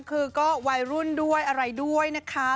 คือก็วัยรุ่นด้วยอะไรด้วยนะคะ